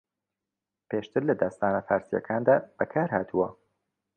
پێشتر لە داستانە فارسییەکاندا بەکارھاتوە